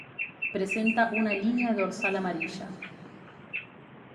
Presenta una línea dorsal amarilla.